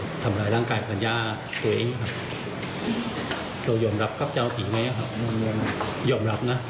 เราทำร้ายร่างกายภรรยาและตัวเองเพื่อยอมรับครับเราก็ยอมรับจ้ะ